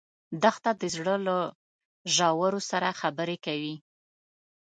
دښته د زړه له ژورو سره خبرې کوي.